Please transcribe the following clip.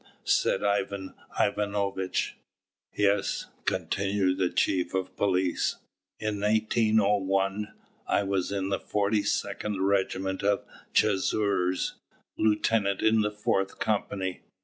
said Ivan Ivanovitch. "Yes," continued the chief of police, "in 1801 I was in the Forty second Regiment of chasseurs, lieutenant in the fourth company.